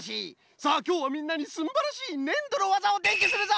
さあきょうはみんなにすんばらしいねんどのわざをでんじゅするぞ！